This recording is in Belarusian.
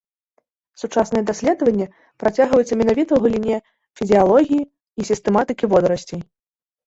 Сучасныя даследаванні працягваюцца менавіта ў галіне фізіялогіі і сістэматыкі водарасцей.